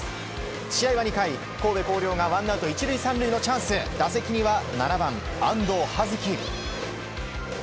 試合は２回、神戸弘陵がワンアウト１塁３塁のチャンス打席は７番、安藤蓮姫。